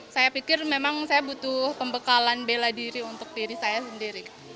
saya pikir memang saya butuh pembekalan bela diri untuk diri saya sendiri